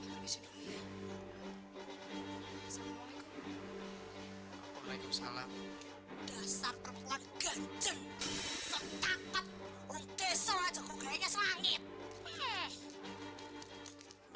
besok aja kok kayaknya selangit